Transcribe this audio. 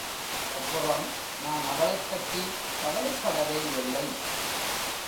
அப்புறம் நான் அவளைப்பற்றி கவலைப்படவேயில்லை.